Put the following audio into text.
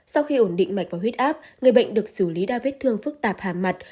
sau khi ổn định mạch vào huyết áp người bệnh được xử lý đa vết thương phức tạp hàm mặt